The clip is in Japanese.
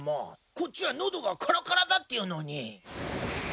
こっちはノドがカラカラだっていうのに。